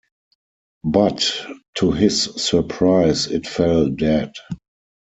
But, to his surprise, it fell dead.